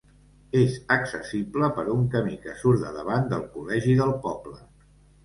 És accessible per un camí que surt de davant del col·legi del poble.